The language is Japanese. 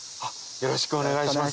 よろしくお願いします。